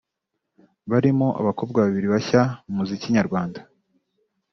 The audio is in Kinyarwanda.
barimo abakobwa babiri bashya mu muziki nyarwanda